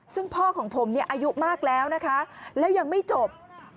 ซึ่งพ่อของผมเนี่ยอายุมากแล้วนะคะแล้วยังไม่จบ